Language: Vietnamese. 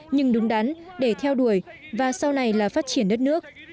nhưng đúng đắn để theo đuổi và sau này là phát triển đất nước